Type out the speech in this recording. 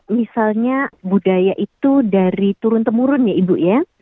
misalnya budaya itu dari turun temurun ya ibu ya